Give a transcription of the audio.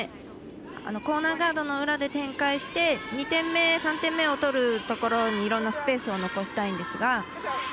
コーナーガードの裏で展開して２点目、３点目を取るところにいろんなスペースを残したいんですが。